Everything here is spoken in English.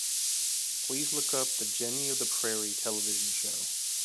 Please look up the Jenny of the Prairie television show.